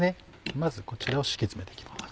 まずこちらを敷き詰めていきます。